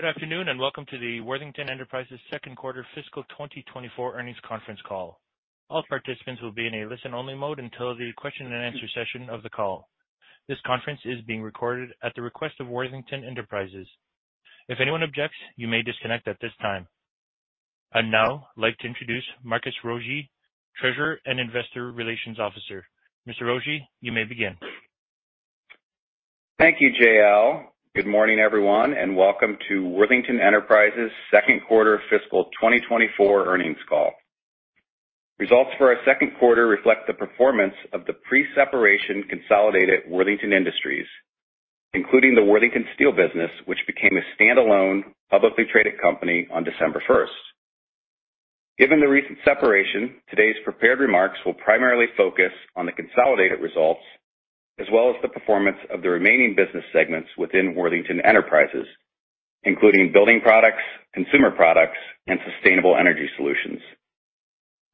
Good afternoon, and welcome to the Worthington Enterprises second quarter fiscal 2024 Earnings Conference Call. All participants will be in a listen-only mode until the question and answer session of the call. This conference is being recorded at the request of Worthington Enterprises. If anyone objects, you may disconnect at this time. I'd now like to introduce Marcus Rogier, Treasurer and Investor Relations Officer. Mr. Rogier, you may begin. Thank you, JL. Good morning, everyone, and welcome to Worthington Enterprises second quarter fiscal 2024 earnings call. Results for our second quarter reflect the performance of the pre-separation consolidated Worthington Industries, including the Worthington Steel business, which became a standalone, publicly traded company on December first. Given the recent separation, today's prepared remarks will primarily focus on the consolidated results, as well as the performance of the remaining business segments within Worthington Enterprises, including building products, consumer products, and sustainable energy solutions.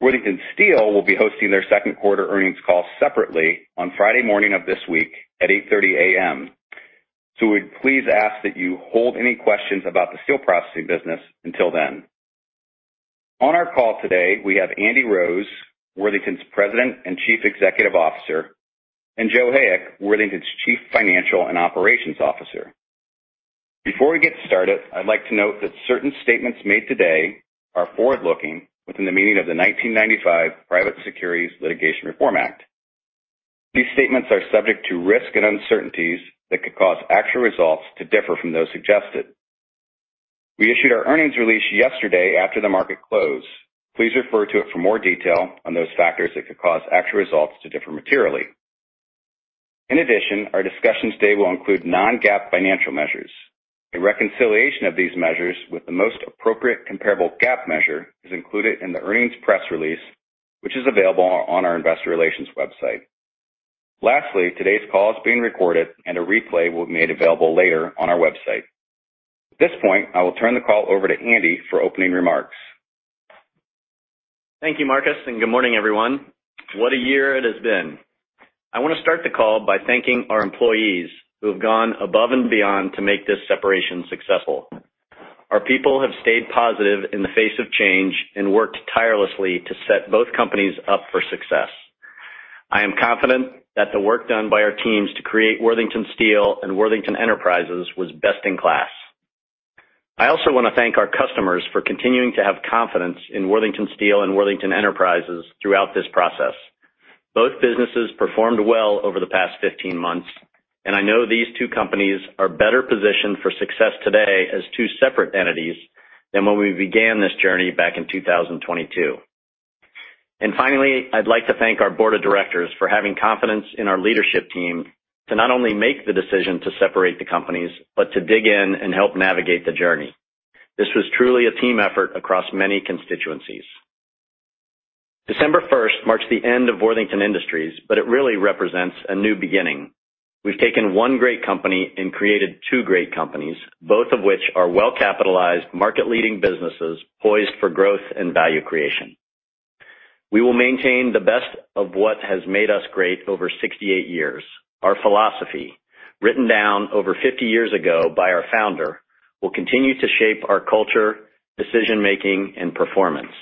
Worthington Steel will be hosting their second quarter earnings call separately on Friday morning of this week at 8:30 A.M. So we'd please ask that you hold any questions about the steel processing business until then. On our call today, we have Andy Rose, Worthington's President and Chief Executive Officer, and Joe Hayek, Worthington's Chief Financial and Operations Officer. Before we get started, I'd like to note that certain statements made today are forward-looking within the meaning of the 1995 Private Securities Litigation Reform Act. These statements are subject to risk and uncertainties that could cause actual results to differ from those suggested. We issued our earnings release yesterday after the market closed. Please refer to it for more detail on those factors that could cause actual results to differ materially. In addition, our discussion today will include non-GAAP financial measures. A reconciliation of these measures with the most appropriate comparable GAAP measure is included in the earnings press release, which is available on our investor relations website. Lastly, today's call is being recorded, and a replay will be made available later on our website. At this point, I will turn the call over to Andy for opening remarks. Thank you, Marcus, and good morning, everyone. What a year it has been. I want to start the call by thanking our employees, who have gone above and beyond to make this separation successful. Our people have stayed positive in the face of change and worked tirelessly to set both companies up for success. I am confident that the work done by our teams to create Worthington Steel and Worthington Enterprises was best in class. I also want to thank our customers for continuing to have confidence in Worthington Steel and Worthington Enterprises throughout this process. Both businesses performed well over the past 15 months, and I know these two companies are better positioned for success today as two separate entities than when we began this journey back in 2022. Finally, I'd like to thank our board of directors for having confidence in our leadership team to not only make the decision to separate the companies, but to dig in and help navigate the journey. This was truly a team effort across many constituencies. December first marks the end of Worthington Industries, but it really represents a new beginning. We've taken one great company and created two great companies, both of which are well-capitalized, market-leading businesses poised for growth and value creation. We will maintain the best of what has made us great over 68 years. Our philosophy, written down over 50 years ago by our founder, will continue to shape our culture, decision-making, and performance.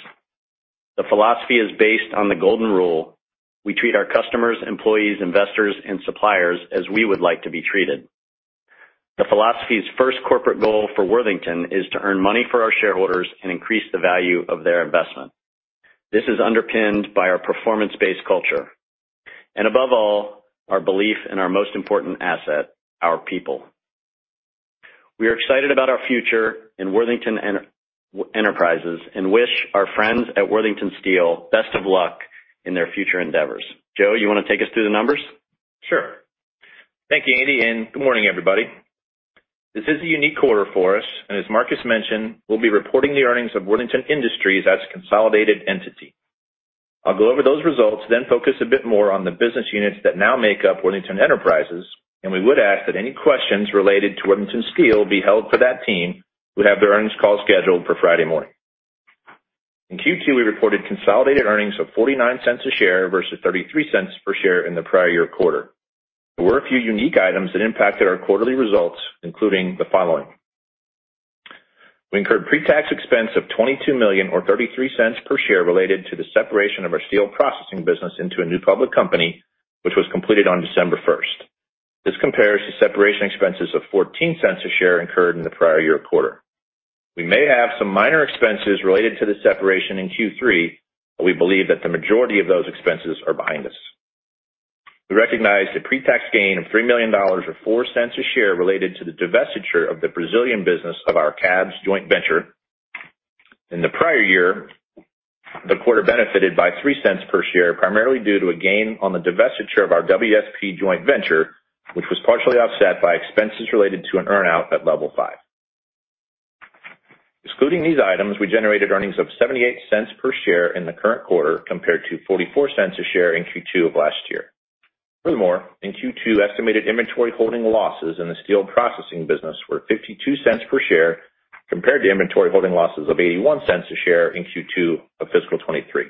The philosophy is based on the golden rule: We treat our customers, employees, investors, and suppliers as we would like to be treated. The Company's first corporate goal for Worthington is to earn money for our shareholders and increase the value of their investment. This is underpinned by our performance-based culture, and above all, our belief in our most important asset, our people. We are excited about our future in Worthington Enterprises, and wish our friends at Worthington Steel best of luck in their future endeavors. Joe, you want to take us through the numbers? Sure. Thank you, Andy, and good morning, everybody. This is a unique quarter for us, and as Marcus mentioned, we'll be reporting the earnings of Worthington Industries as a consolidated entity. I'll go over those results, then focus a bit more on the business units that now make up Worthington Enterprises, and we would ask that any questions related to Worthington Steel be held for that team, who have their Earnings Call scheduled for Friday morning. In Q2, we reported consolidated earnings of $0.49 per share versus $0.33 per share in the prior year quarter. There were a few unique items that impacted our quarterly results, including the following. We incurred pre-tax expense of $22 million or $0.33 per share related to the separation of our steel processing business into a new public company, which was completed on December first. This compares to separation expenses of $0.14 a share incurred in the prior year quarter. We may have some minor expenses related to the separation in Q3, but we believe that the majority of those expenses are behind us. We recognized a pre-tax gain of $3 million, or $0.04 a share, related to the divestiture of the Brazilian business of our CABS joint venture. In the prior year, the quarter benefited by $0.03 per share, primarily due to a gain on the divestiture of our WSP joint venture, which was partially offset by expenses related to an earn-out at Level5. Excluding these items, we generated earnings of $0.78 per share in the current quarter, compared to $0.44 a share in Q2 of last year. Furthermore, in Q2, estimated Inventory Holding Losses in the steel processing business were $0.52 per share, compared to Inventory Holding Losses of $0.81 a share in Q2 of fiscal 2023.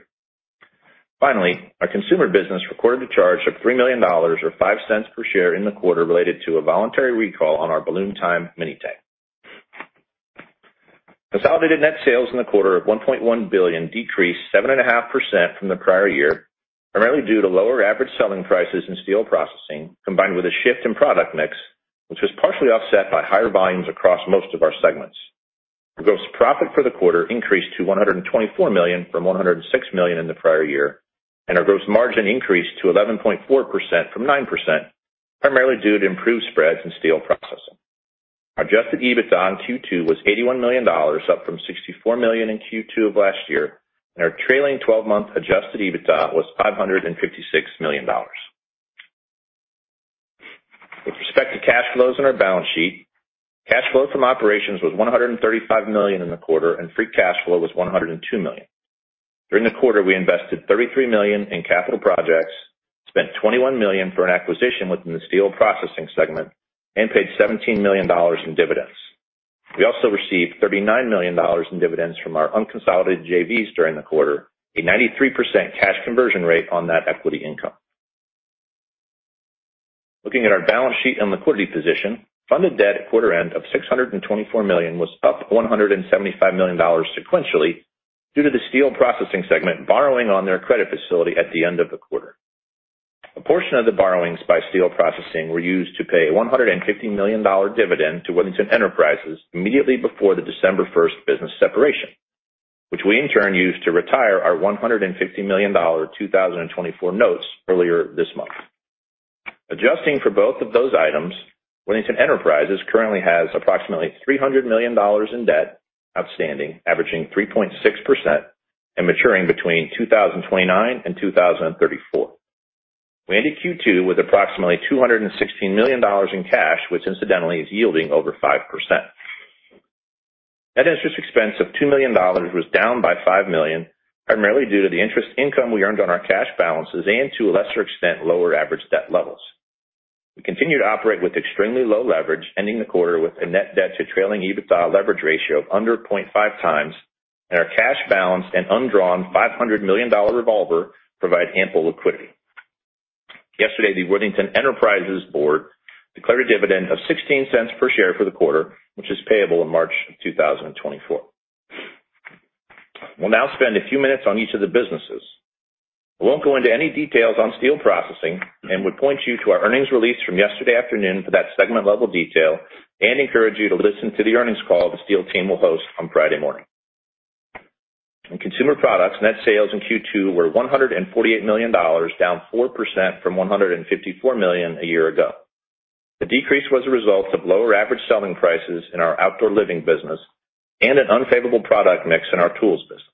Finally, our consumer business recorded a charge of $3 million or 5 cents per share in the quarter related to a voluntary recall on our Balloon Time Mini Tank. Consolidated net sales in the quarter of $1.1 billion decreased 7.5% from the prior year, primarily due to lower average selling prices in steel processing, combined with a shift in product mix, which was partially offset by higher volumes across most of our segments. Our gross profit for the quarter increased to $124 million from $106 million in the prior year, and our gross margin increased to 11.4% from 9%, primarily due to improved spreads in steel processing. Adjusted EBITDA in Q2 was $81 million, up from $64 million in Q2 of last year, and our trailing twelve-month adjusted EBITDA was $556 million. With respect to cash flows in our balance sheet, cash flow from operations was $135 million in the quarter, and free cash flow was $102 million. During the quarter, we invested $33 million in capital projects, spent $21 million for an acquisition within the steel processing segment, and paid $17 million in dividends. We also received $39 million in dividends from our unconsolidated JVs during the quarter, a 93% cash conversion rate on that equity income. Looking at our balance sheet and liquidity position, funded debt at quarter end of $624 million was up $175 million dollars sequentially due to the steel processing segment borrowing on their credit facility at the end of the quarter. A portion of the borrowings by steel processing were used to pay $150 million dollar dividend to Worthington Enterprises immediately before the December 1st business separation, which we in turn used to retire our $150 million dollar 2024 notes earlier this month. Adjusting for both of those items, Worthington Enterprises currently has approximately $300 million dollars in debt outstanding, averaging 3.6% and maturing between 2029 and 2034. We ended Q2 with approximately $216 million in cash, which incidentally, is yielding over 5%. Net interest expense of $2 million was down by $5 million, primarily due to the interest income we earned on our cash balances and to a lesser extent, lower average debt levels. We continue to operate with extremely low leverage, ending the quarter with a net debt to trailing EBITDA leverage ratio of under 0.5x, and our cash balance and undrawn $500 million revolver provide ample liquidity. Yesterday, the Worthington Enterprises Board declared a dividend of $0.16 per share for the quarter, which is payable in March 2024. We'll now spend a few minutes on each of the businesses. I won't go into any details on steel processing and would point you to our earnings release from yesterday afternoon for that segment-level detail and encourage you to listen to the earnings call the steel team will host on Friday morning. In consumer products, net sales in Q2 were $148 million, down 4% from $154 million a year ago. The decrease was a result of lower average selling prices in our outdoor living business and an unfavorable product mix in our tools business.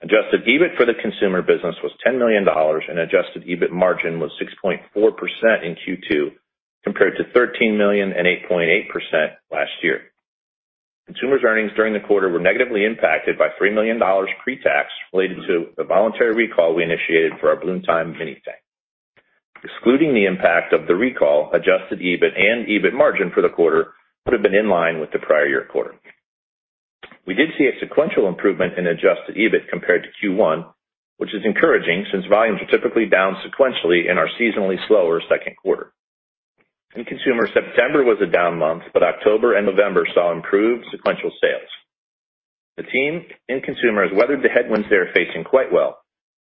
Adjusted EBIT for the consumer business was $10 million, and adjusted EBIT margin was 6.4% in Q2, compared to $13 million and 8.8% last year. Consumers' earnings during the quarter were negatively impacted by $3 million pre-tax related to the voluntary recall we initiated for our Balloon Time Mini Tank. Excluding the impact of the recall, Adjusted EBIT and EBIT margin for the quarter would have been in line with the prior year quarter. We did see a sequential improvement in Adjusted EBIT compared to Q1, which is encouraging since volumes are typically down sequentially in our seasonally slower second quarter. In consumer, September was a down month, but October and November saw improved sequential sales. The team and consumers weathered the headwinds they are facing quite well,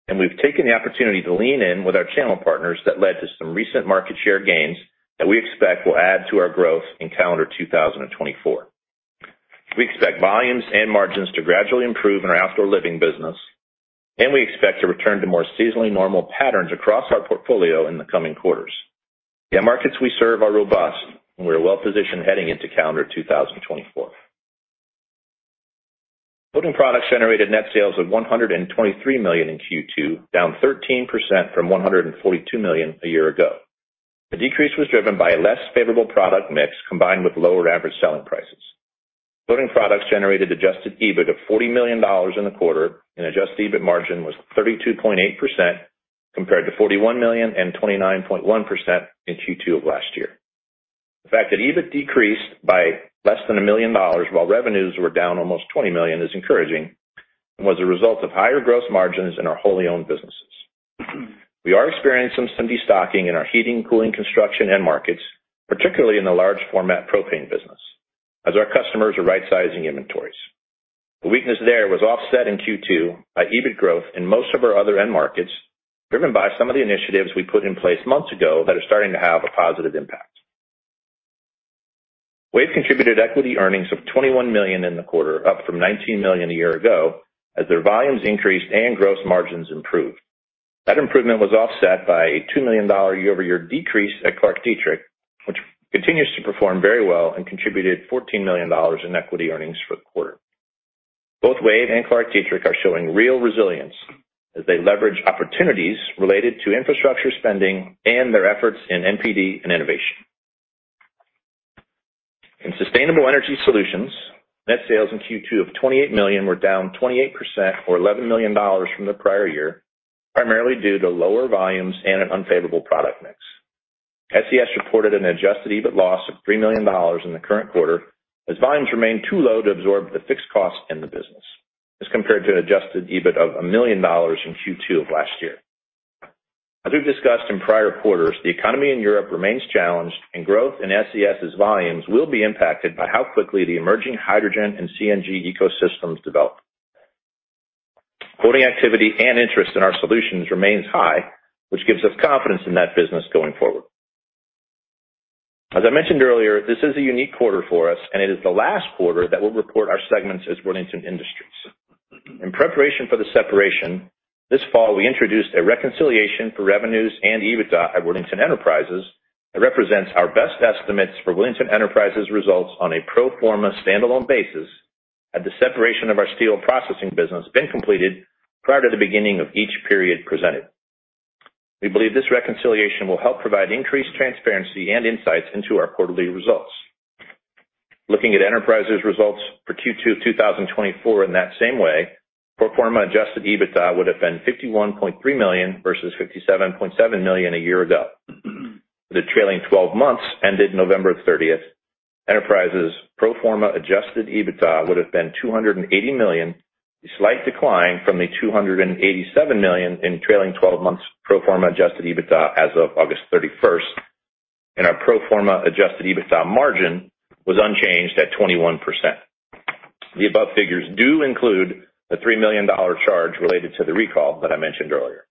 and we've taken the opportunity to lean in with our channel partners that led to some recent market share gains that we expect will add to our growth in calendar 2024. We expect volumes and margins to gradually improve in our outdoor living business, and we expect to return to more seasonally normal patterns across our portfolio in the coming quarters. The markets we serve are robust, and we are well-positioned heading into calendar 2024. Building products generated net sales of $123 million in Q2, down 13% from $142 million a year ago. The decrease was driven by a less favorable product mix, combined with lower average selling prices. Building products generated adjusted EBIT of $40 million in the quarter, and adjusted EBIT margin was 32.8% compared to $41 million and 29.1% in Q2 of last year. The fact that EBIT decreased by less than $1 million while revenues were down almost $20 million, is encouraging and was a result of higher gross margins in our wholly owned businesses. We are experiencing some destocking in our heating, cooling, construction, and markets, particularly in the large format propane business, as our customers are rightsizing inventories. The weakness there was offset in Q2 by EBIT growth in most of our other end markets, driven by some of the initiatives we put in place months ago that are starting to have a positive impact. WAVE contributed equity earnings of $21 million in the quarter, up from $19 million a year ago, as their volumes increased and gross margins improved. That improvement was offset by a $2 million year-over-year decrease at ClarkDietrich, which continues to perform very well and contributed $14 million in equity earnings for the quarter. Both WAVE and ClarkDietrich are showing real resilience as they leverage opportunities related to infrastructure spending and their efforts in NPD and innovation. In sustainable energy solutions, net sales in Q2 of $28 million were down 28% or $11 million from the prior year, primarily due to lower volumes and an unfavorable product mix. SES reported an adjusted EBIT loss of $3 million in the current quarter, as volumes remained too low to absorb the fixed costs in the business, as compared to an adjusted EBIT of $1 million in Q2 of last year. As we've discussed in prior quarters, the economy in Europe remains challenged, and growth in SES's volumes will be impacted by how quickly the emerging hydrogen and CNG ecosystems develop. Quoting activity and interest in our solutions remains high, which gives us confidence in that business going forward. As I mentioned earlier, this is a unique quarter for us, and it is the last quarter that we'll report our segments as Worthington Industries. In preparation for the separation, this fall, we introduced a reconciliation for revenues and EBITDA at Worthington Enterprises that represents our best estimates for Worthington Enterprises results on a pro forma standalone basis, had the separation of our steel processing business been completed prior to the beginning of each period presented. We believe this reconciliation will help provide increased transparency and insights into our quarterly results. Looking at Enterprise's results for Q2, 2024, in that same way, pro forma adjusted EBITDA would have been $51.3 million versus $57.7 million a year ago. For the trailing twelve months, ended November 30th, Enterprises pro forma adjusted EBITDA would have been $280 million, a slight decline from the $287 million in trailing twelve months pro forma adjusted EBITDA as of August 31st, and our pro forma adjusted EBITDA margin was unchanged at 21%. The above figures do include the $3 million charge related to the recall that I mentioned earlier.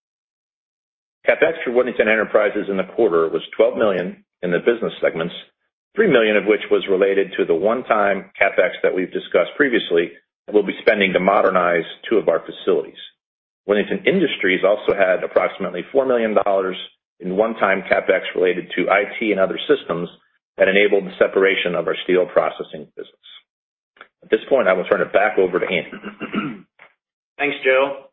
CapEx for Worthington Enterprises in the quarter was $12 million in the business segments, $3 million of which was related to the one-time CapEx that we've discussed previously, that we'll be spending to modernize two of our facilities. Worthington Industries also had approximately $4 million in one-time CapEx related to IT and other systems that enabled the separation of our steel processing business. At this point, I will turn it back over to Andy. Thanks, Joe.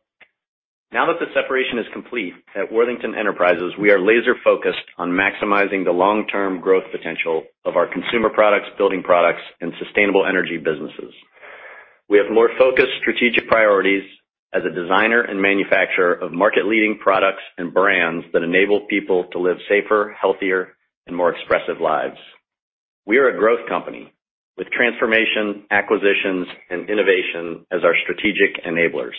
Now that the separation is complete, at Worthington Enterprises, we are laser focused on maximizing the long-term growth potential of our consumer products, building products, and sustainable energy businesses. We have more focused strategic priorities as a designer and manufacturer of market-leading products and brands that enable people to live safer, healthier, and more expressive lives. We are a growth company with transformation, acquisitions, and innovation as our strategic enablers.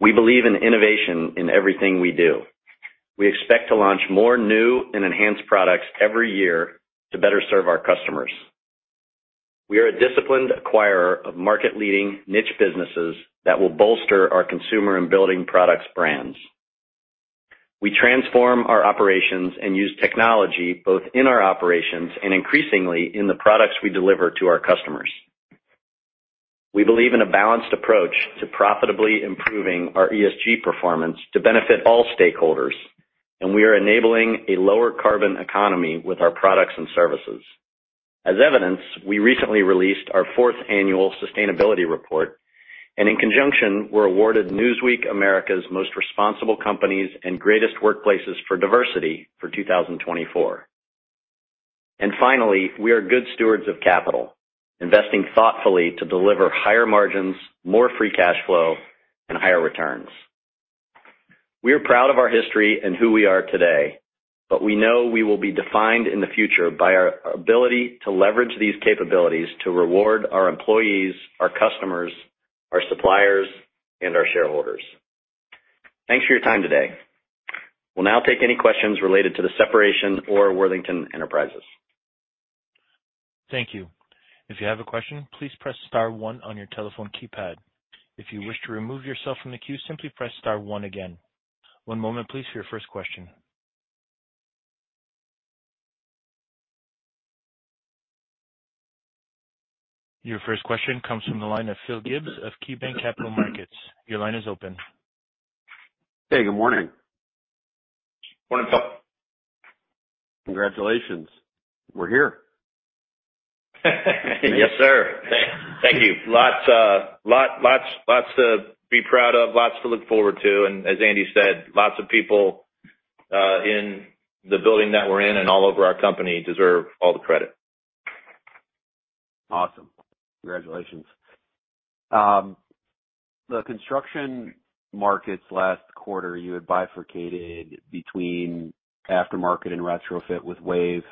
We believe in innovation in everything we do. We expect to launch more new and enhanced products every year to better serve our customers. We are a disciplined acquirer of market-leading niche businesses that will bolster our consumer and building products brands. We transform our operations and use technology both in our operations and increasingly in the products we deliver to our customers. We believe in a balanced approach to profitably improving our ESG performance to benefit all stakeholders, and we are enabling a lower carbon economy with our products and services. As evidence, we recently released our fourth annual sustainability report, and in conjunction, were awarded Newsweek America's Most Responsible Companies and Greatest Workplaces for Diversity for 2024. Finally, we are good stewards of capital, investing thoughtfully to deliver higher margins, more free cash flow, and higher returns. We are proud of our history and who we are today, but we know we will be defined in the future by our ability to leverage these capabilities to reward our employees, our customers, our suppliers, and our shareholders. Thanks for your time today. We'll now take any questions related to the Separation or Worthington Enterprises. Thank you. If you have a question, please press star one on your telephone keypad. If you wish to remove yourself from the queue, simply press star one again. One moment, please, for your first question. Your first question comes from the line of Phil Gibbs of KeyBanc Capital Markets. Your line is open. Hey, good morning. Morning, Phil. Congratulations. We're here. Yes, sir. Thank you. Lots to be proud of, lots to look forward to. As Andy said, lots of people in the building that we're in and all over our company deserve all the credit. Awesome. Congratulations. The construction markets last quarter, you had bifurcated between aftermarket and retrofit, with WAVE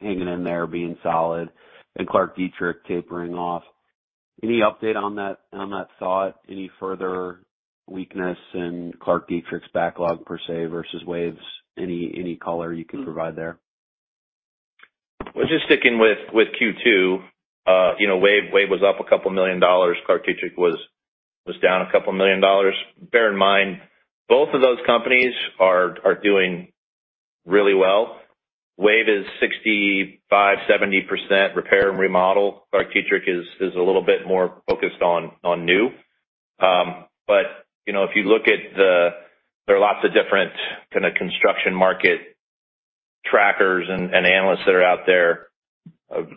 hanging in there being solid and ClarkDietrich tapering off. Any update on that, on that thought? Any further weakness in ClarkDietrich's backlog per se, versus WAVE's? Any, any color you can provide there? Well, just sticking with, with Q2, you know, WAVE, WAVE was up $2 million. ClarkDietrich was, was down $2 million. Bear in mind, both of those companies are, are doing really well. WAVE is 65%-70% repair and remodel. ClarkDietrich is, is a little bit more focused on, on new. But, you know, if you look at the, there are lots of different kind of construction market trackers and, and analysts that are out there.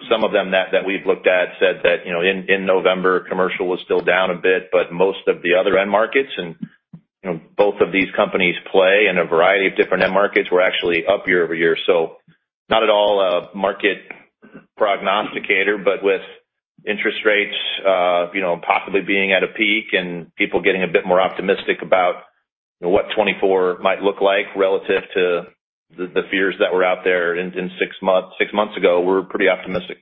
Some of them that, that we've looked at said that, you know, in, in November, commercial was still down a bit, but most of the other end markets, and, you know, both of these companies play in a variety of different end markets, were actually up year-over-year. So, not at all a market-... prognosticator, but with interest rates, you know, possibly being at a peak and people getting a bit more optimistic about, you know, what 2024 might look like relative to the fears that were out there in six months ago, we're pretty optimistic.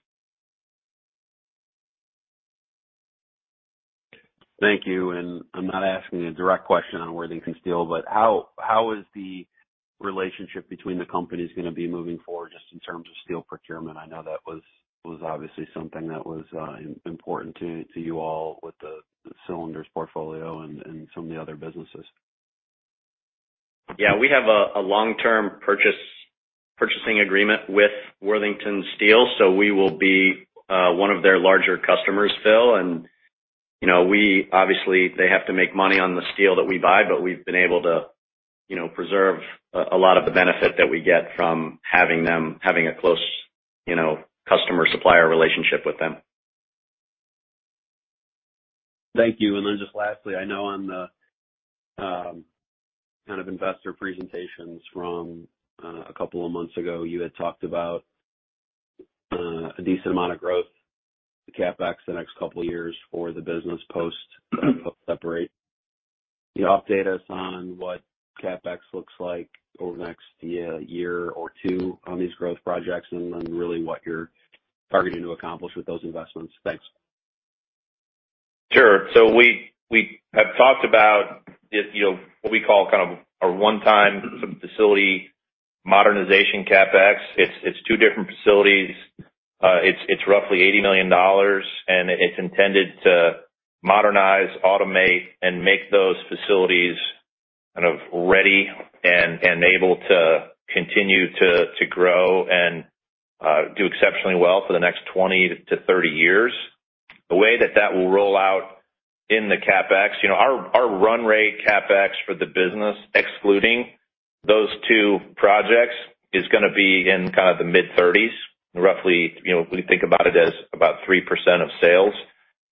Thank you. I'm not asking a direct question on Worthington Steel, but how is the relationship between the companies gonna be moving forward just in terms of steel procurement? I know that was obviously something that was important to you all with the cylinders portfolio and some of the other businesses. Yeah, we have a long-term purchasing agreement with Worthington Steel, so we will be one of their larger customers, Phil. And, you know, we obviously they have to make money on the steel that we buy, but we've been able to, you know, preserve a lot of the benefit that we get from having them, having a close, you know, customer-supplier relationship with them. Thank you. Then just lastly, I know on the kind of investor presentations from a couple of months ago, you had talked about a decent amount of growth, the CapEx, the next couple of years for the business post-separate. Can you update us on what CapEx looks like over the next year, year or two on these growth projects, and then really what you're targeting to accomplish with those investments? Thanks. Sure. We have talked about it, you know, what we call kind of our one-time facility modernization CapEx. It's two different facilities. It's roughly $80 million, and it's intended to modernize, automate, and make those facilities kind of ready and able to continue to grow and do exceptionally well for the next 20-30 years. The way that will roll out in the CapEx, you know, our run rate CapEx for the business, excluding those two projects, is gonna be in kind of the mid-30s, roughly, you know, we think about it as about 3% of sales.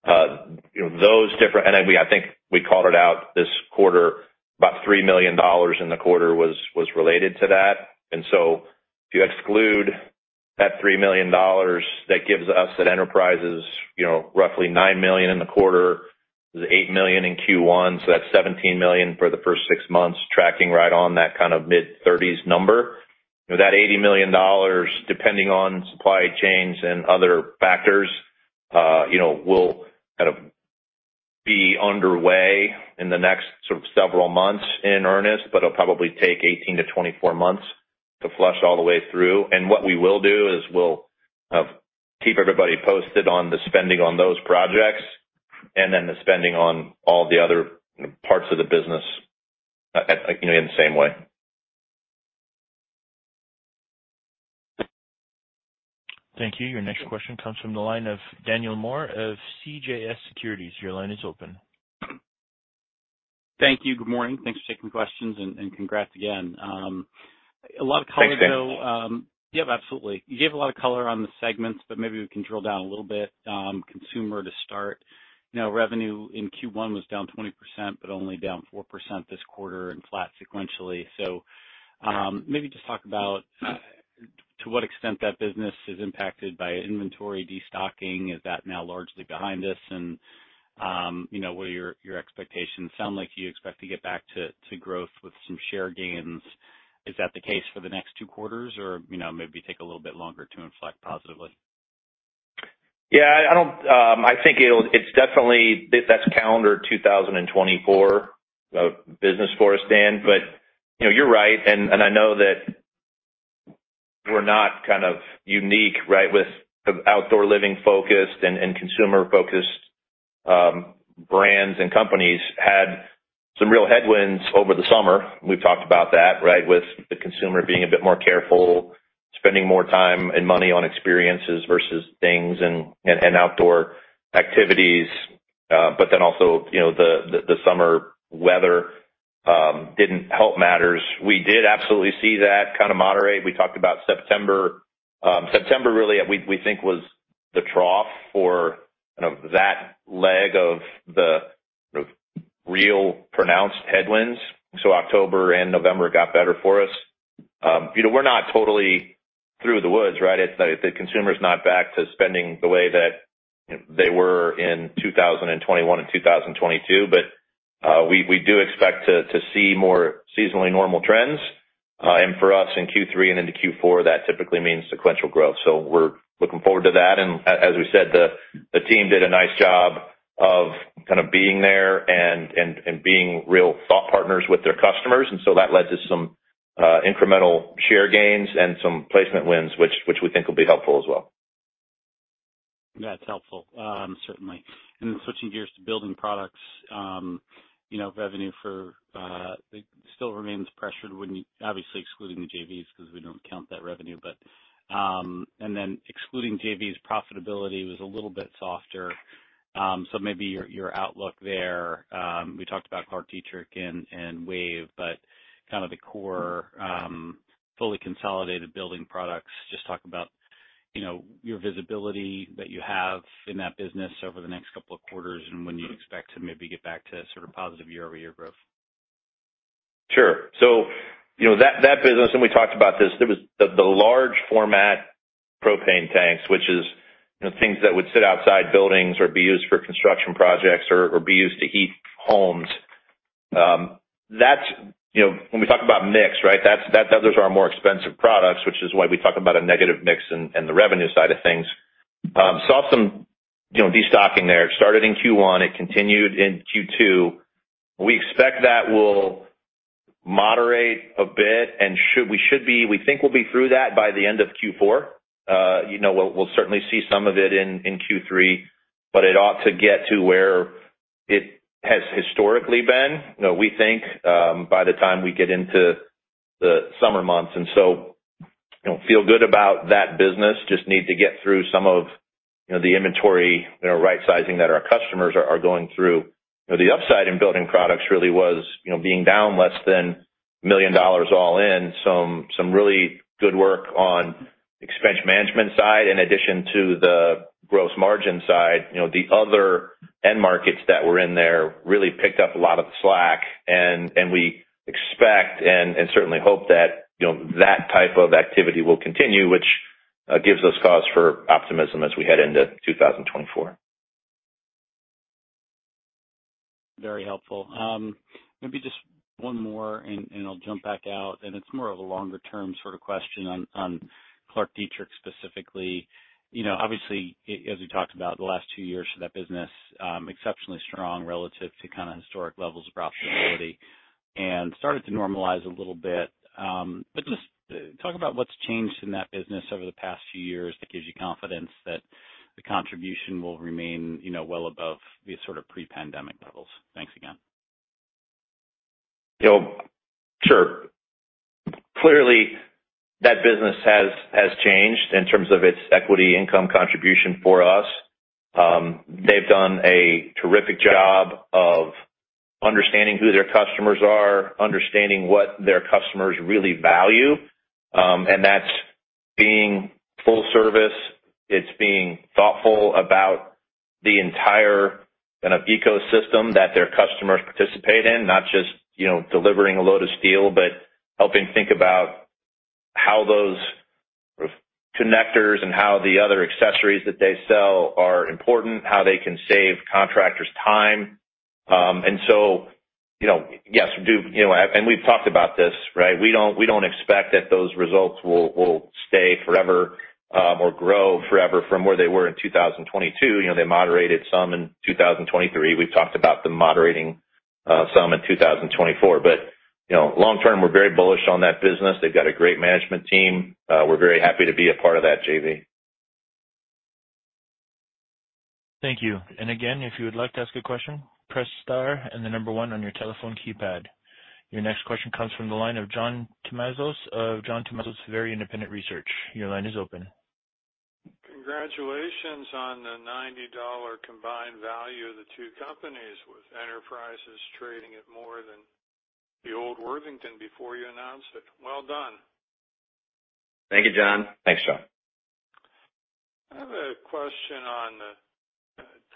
I think we called it out this quarter, about $3 million in the quarter was related to that. If you exclude that $3 million, that gives us at Enterprises, you know, roughly $9 million in the quarter, $8 million in Q1, so that's $17 million for the first six months, tracking right on that kind of mid-thirties number. That $80 million, depending on supply chains and other factors, you know, will kind of be underway in the next sort of several months in earnest, but it'll probably take 18-24 months to flush all the way through. What we will do is we'll keep everybody posted on the spending on those projects and then the spending on all the other parts of the business, you know, in the same way. Thank you. Your next question comes from the line of Daniel Moore of CJS Securities. Your line is open. Thank you. Good morning. Thanks for taking questions, and congrats again. A lot of color, though- Thanks, Dan. Yep, absolutely. You gave a lot of color on the segments, but maybe we can drill down a little bit, consumer to start. You know, revenue in Q1 was down 20%, but only down 4% this quarter and flat sequentially. Maybe just talk about, to what extent that business is impacted by inventory destocking. Is that now largely behind us? You know, what are your, your expectations? Sound like you expect to get back to, to growth with some share gains. Is that the case for the next two quarters, or, maybe take a little bit longer to inflect positively? Yeah, I don't. I think it's definitely that's calendar 2024 business for us, Dan. You're right, and, and I know that we're not kind of unique, right, with outdoor living focused and, and consumer-focused brands and companies had some real headwinds over the summer. We've talked about that, right? With the consumer being a bit more careful, spending more time and money on experiences versus things and, and, and outdoor activities, but then also, you know, the summer weather didn't help matters. We did absolutely see that kind of moderate. We talked about September. September, really, we think was the trough for, you know, that leg of the real pronounced headwinds. So October and November got better for us. You know, we're not totally through the woods, right? It's the consumer's not back to spending the way that they were in 2021 and 2022, but we do expect to see more seasonally normal trends. For us, in Q3 and into Q4, that typically means sequential growth. We're looking forward to that. As we said, the team did a nice job of kind of being there and being real thought partners with their customers. That led to some incremental share gains and some placement wins, which we think will be helpful as well. That's helpful, certainly. Then switching gears to building products, you know, revenue for, still remains pressured when obviously excluding the JVs, because we don't count that revenue. Then excluding JVs, profitability was a little bit softer. Maybe your, your outlook there. We talked about Clark Dietrich and, and WAVE, but kind of the core, fully consolidated building products. Just talk about, you know, your visibility that you have in that business over the next couple of quarters, and when you expect to maybe get back to sort of positive year-over-year growth. Sure. That business, and we talked about this, there was the, the large format propane tanks, which is, you know, things that would sit outside buildings or be used for construction projects or, or be used to heat homes. That's, you know, when we talk about mix, right? That's, that, those are our more expensive products, which is why we talk about a negative mix and, and the revenue side of things. Saw some, you know, destocking there. It started in Q1, it continued in Q2. We expect that will moderate a bit, and should-- we should be-- we think we'll be through that by e end of Q4. You know, we'll certainly see some of it in Q3, but it ought to get to where it has historically been, you know, we think, by the time we get into the summer months, and so feel good about that business. Just need to get through some of, you know, the inventory, you know, rightsizing that our customers are going through. You know, the upside in building products really was, you know, being down less than $1 million all in. Some really good work on expense management side, in addition to the gross margin side. You know, the other end markets that were in there really picked up a lot of the slack, and we expect and certainly hope that, you know, that type of activity will continue, which gives us cause for optimism as we head into 2024. Very helpful. Maybe just one more, and, and I'll jump back out, and it's more of a longer-term sort of question on, on ClarkDietrich specifically. You know, obviously, as we talked about the last two years for that business, exceptionally strong relative to kind of historic levels across the industry, and started to normalize a little bit. Just, talk about what's changed in that business over the past few years that gives you confidence that the contribution will remain, you know, well above the sort of pre-pandemic levels. Thanks again. Sure. Clearly, that business has, has changed in terms of its equity income contribution for us. They've done a terrific job of understanding who their customers are, understanding what their customers really value, and that's being full service. It's being thoughtful about the entire kind of ecosystem that their customers participate in, not just, you know, delivering a load of steel, but helping think about how those connectors and how the other accessories that they sell are important, how they can save contractors time. Yes, we do, you know, and we've talked about this, right? We don't, we don't expect that those results will, will stay forever, or grow forever from where they were in 2022. You know, they moderated some in 2023. We've talked about them moderating some in 2024. You know, long term, we're very bullish on that business. They've got a great management team. We're very happy to be a part of that JV. Thank you. Again, if you would like to ask a question, press star and the number one on your telephone keypad. Your next question comes from the line of John Tumazos Very Independent Research. Your line is open. Congratulations on the $90 combined value of the two companies, with Enterprises trading at more than the old Worthington before you announced it. Well done! Thank you, John. Thanks, John. I have a question on the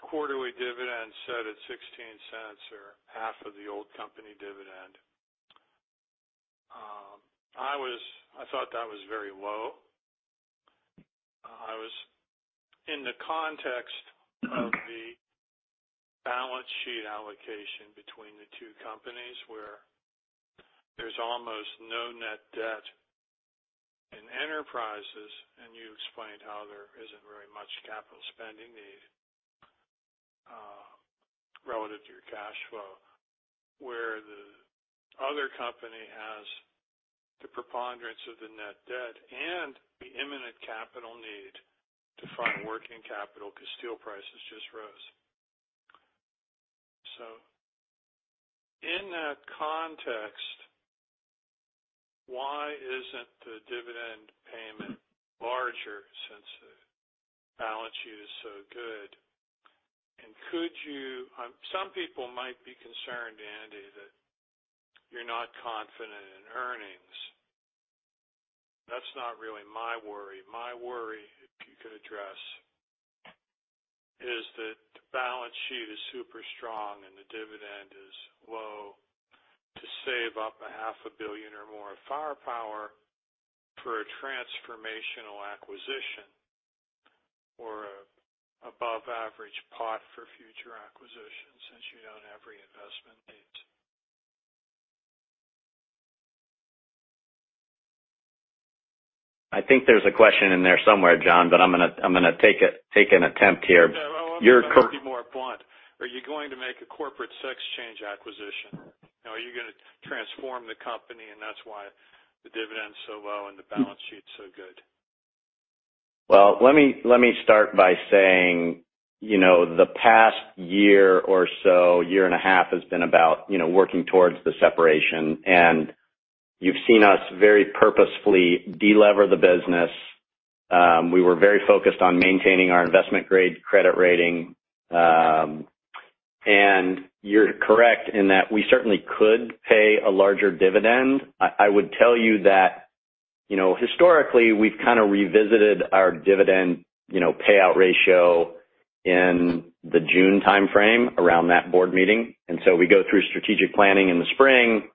quarterly dividend set at $0.16, or half of the old company dividend. I thought that was very low. I was in the context of the balance sheet allocation between the two companies, where there's almost no net debt in Enterprises, and you explained how there isn't very much capital spending need relative to your cash flow, where the other company has the preponderance of the net debt and the imminent capital need to find working capital because steel prices just rose. In that context, why isn't the dividend payment larger since the balance sheet is so good? Could you... Some people might be concerned, Andy, that you're not confident in earnings. That's not really my worry. My worry, if you could address, is that the balance sheet is super strong and the dividend is low to save up $500 million or more of firepower for a transformational acquisition or a above average pot for future acquisitions, since you don't have reinvestment needs. I think there's a question in there somewhere, John, but I'm gonna take an attempt here. Yeah, well, I'll be more blunt. Are you going to make a corporate step change acquisition? Now, are you gonna transform the company, and that's why the dividend is so low and the balance sheet so good? Well, let me start by saying, you know, the past year or so, year and a half, has been about, you know, working towards the separation, and you've seen us very purposefully delever the business. We were very focused on maintaining our investment grade credit rating. And you're correct in that we certainly could pay a larger dividend. I would tell you that- You know, historically, we've kind of revisited our dividend, you know, payout ratio in the June timeframe around that board meeting. We go through strategic planning in the spring.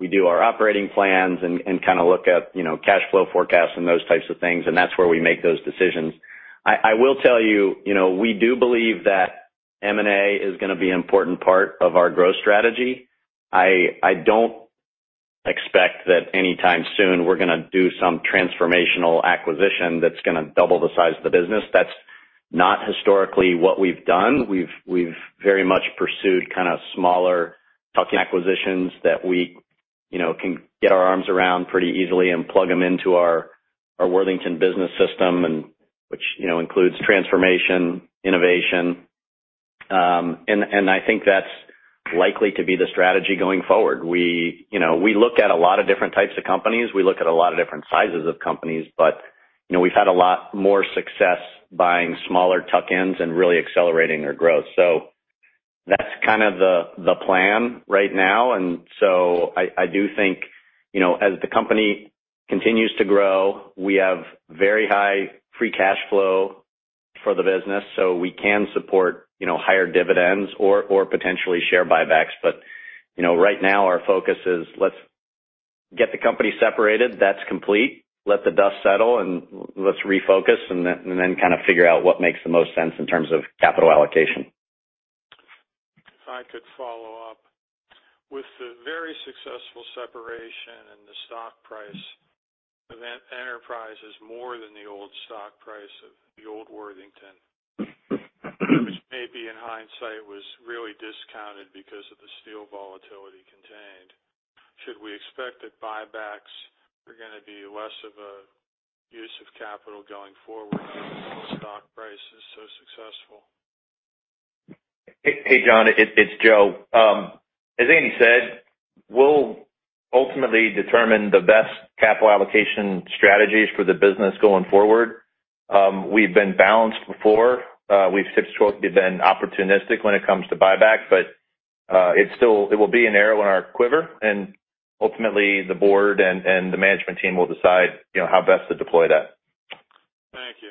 We do our operating plans and, and kind of look at, you know, cash flow forecasts and those types of things, and that's where we make those decisions. I, I will tell you, you know, we do believe that M&A is gonna be an important part of our growth strategy. I, I don't expect that anytime soon we're gonna do some transformational acquisition that's gonna double the size of the business. That's not historically what we've done. We've, we've very much pursued kind of smaller tuck-in acquisitions that we, you know, can get our arms around pretty easily and plug them into our, our Worthington business system and which, you know, includes transformation, innovation. I think that's likely to be the strategy going forward. We, you know, we look at a lot of different types of companies. We look at a lot of different sizes of companies, but, you know, we've had a lot more success buying smaller tuck-ins and really accelerating their growth. So that's kind of the plan right now. And so I do think, you know, as the company continues to grow, we have very high free cash flow for the business, so we can support, you know, higher dividends or potentially share buybacks. But, you know, right now our focus is let's get the company separated. That's complete. Let the dust settle, and let's refocus, and then kind of figure out what makes the most sense in terms of capital allocation. If I could follow up. With the very successful separation and the stock price, Worthington Enterprises is more than the old stock price of the old Worthington, which maybe in hindsight, was really discounted because of the steel volatility contained. Should we expect that buybacks are gonna be less of a use of capital going forward, since the stock price is so successful? Hey, John, it's Joe. As Andy said, we'll ultimately determine the best capital allocation strategies for the business going forward. We've been balanced before. We've historically been opportunistic when it comes to buybacks, but it's still - it will be an arrow in our quiver, and ultimately the board and the management team will decide, you know, how best to deploy that. Thank you.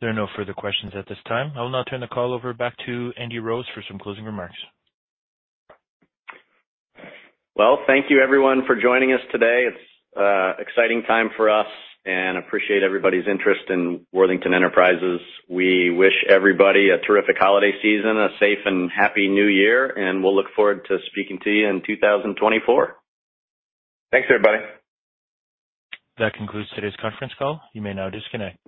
There are no further questions at this time. I'll now turn the call over back to Andy Rose for some closing remarks. Well, thank you everyone for joining us today. It's exciting time for us, and appreciate everybody's interest in Worthington Enterprises. We wish everybody a terrific holiday season, a safe and happy new year, and we'll look forward to speaking to you in 2024. Thanks, everybody. That concludes today's conference call. You may now disconnect.